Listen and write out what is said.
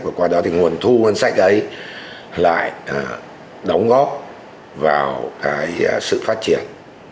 và qua đó thì nguồn thu ngân sách ấy lại đóng góp vào cái sự phát triển